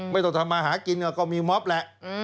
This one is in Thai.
ไม่ต้องทำมาหากินก็มีมอบแหละ